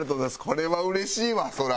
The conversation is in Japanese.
これはうれしいわそりゃ。